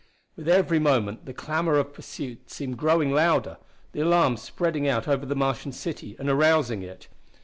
With every moment the clamor of pursuit seemed growing louder, the alarm spreading out over the Martian city and arousing it.